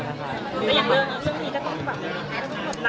แต่อย่างนั้นเรื่องนี้ก็ต้องปรับไหม